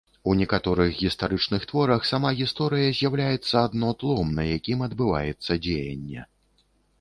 У некаторых гістарычных творах сама гісторыя з'яўляецца адно тлом, на якім адбываецца дзеянне.